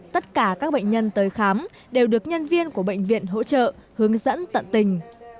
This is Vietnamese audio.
tất cả các bệnh nhân tới khám đều được nhân viên của bệnh viện hỗ trợ hướng dẫn tận tình